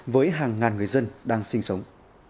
với hàng ngàn người dân đang sinh sống